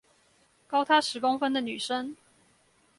高他十公分的女生